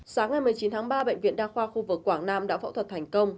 sáng ngày một mươi chín tháng ba bệnh viện đa khoa khu vực quảng nam đã phẫu thuật thành công